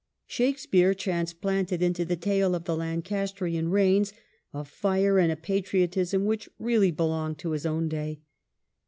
Shakspere transplanted into the tale of the Lan castrian reigns a fire and a patriotism which really be longed to his own day.